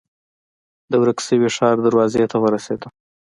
د ورک شوي ښار دروازې ته ورسېدم.